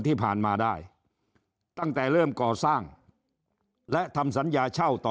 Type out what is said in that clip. ที่ผ่านมาได้ตั้งแต่เริ่มก่อสร้างและทำสัญญาเช่าต่อ